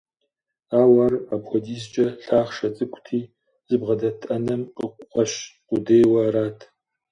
Ауэ ар апхуэдизкӏэ лъахъшэ цӏыкӏути, зыбгъэдэт ӏэнэм къыкъуэщ къудейуэ арат.